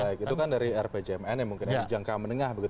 baik itu kan dari rpjmn yang mungkin yang dijangka menengah begitu